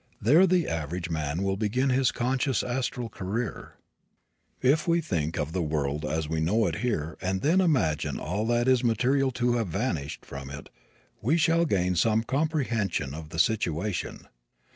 There the average man will begin his conscious astral career. If we think of the world as we know it here and then imagine all that is material to have vanished from it we shall gain some comprehension of the situation.